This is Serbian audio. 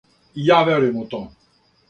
И ја верујем у то.